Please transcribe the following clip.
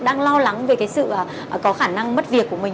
đang lo lắng về cái sự có khả năng mất việc của mình